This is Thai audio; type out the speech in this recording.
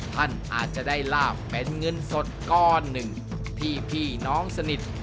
ท่านอาจจะได้ลาบเป็นเงินสดก้อนหนึ่งที่พี่น้องสนิท